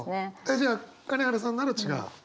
じゃあ金原さんなら違う。